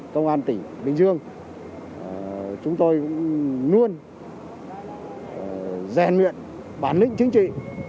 công an tỉnh bình dương chúng tôi luôn rèn nguyện bản lĩnh chính trị